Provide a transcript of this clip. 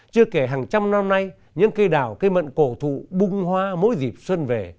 chưa kể hàng trăm năm nay những cây đào cây mận cầu thụ bung hoa mỗi dịp xuân về